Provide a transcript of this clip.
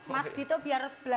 mas dito kembali lagi